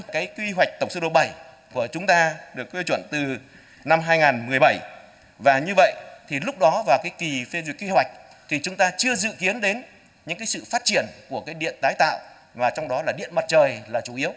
cái quy hoạch tổng sơ độ bảy của chúng ta được quy chuẩn từ năm hai nghìn một mươi bảy và như vậy thì lúc đó vào cái kỳ phê duyệt kế hoạch thì chúng ta chưa dự kiến đến những cái sự phát triển của cái điện tái tạo và trong đó là điện mặt trời là chủ yếu